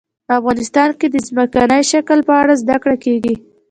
افغانستان کې د ځمکنی شکل په اړه زده کړه کېږي.